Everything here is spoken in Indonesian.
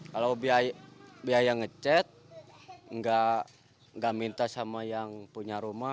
kalau biaya nge chat enggak minta sama yang punya rumah